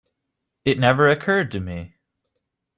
It never occurred to me.